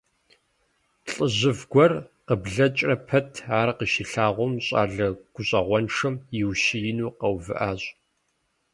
ЛӀыжьыфӀ гуэр, къыблэкӀрэ пэт ар къыщилъагъум, щӀалэ гущӀэгъуншэм еущиену къэувыӀащ.